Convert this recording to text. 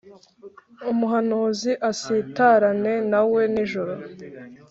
umuhanuzi asitarane nawe nijoro,